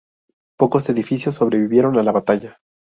Pocos edificios sobrevivieron a la batalla.